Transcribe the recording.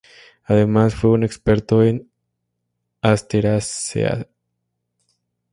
Además fue un experto en Asteraceae.